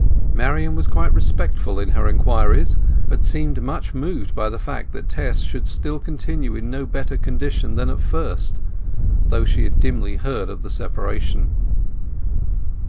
Marian was quite respectful in her inquiries, but seemed much moved by the fact that Tess should still continue in no better condition than at first; though she had dimly heard of the separation.